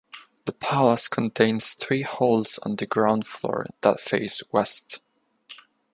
The palace contains three halls on the ground floor that face west.